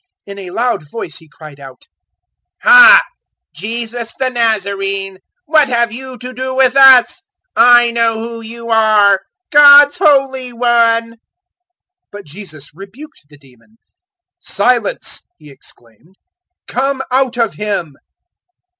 In a loud voice he cried out, 004:034 "Ha! Jesus the Nazarene, what have you to do with us? I know who you are God's Holy One!" 004:035 But Jesus rebuked the demon. "Silence!" He exclaimed; "come out of him."